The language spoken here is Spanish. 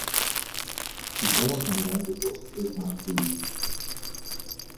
Su tono general de voz es más fluido.